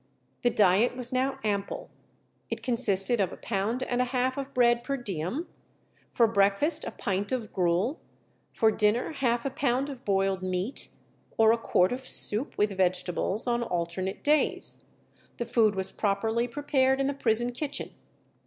The diet was now ample. It consisted of a pound and a half of bread per diem; for breakfast a pint of gruel; for dinner half a pound of boiled meat, or a quart of soup with vegetables, on alternate days. The food was properly prepared in the prison kitchen.